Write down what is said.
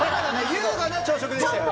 優雅な朝食でしたよね。